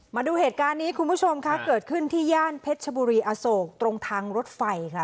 มาดูเหตุการณ์นี้คุณผู้ชมค่ะเกิดขึ้นที่ย่านเพชรชบุรีอโศกตรงทางรถไฟค่ะ